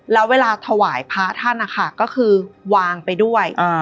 แล้วเวลาถวายพระท่านนะคะก็คือวางไปด้วย